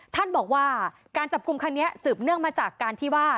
ท่านบอกว่าการจับกลุ่มคันนี้สืบเนื่องมาจากการที่ว่า